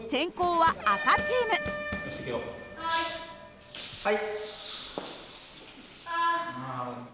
はい。